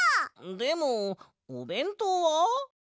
でもおべんとうは？